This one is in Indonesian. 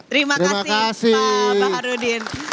terima kasih pak mbah harudin